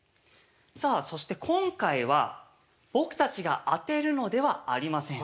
さあそして今回は僕たちが当てるのではありません。